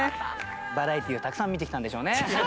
バラエティーをたくさん見てきたんでしょうね。